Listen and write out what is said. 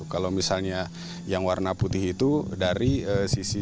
kalau misalnya yang warna putih itu dari sisi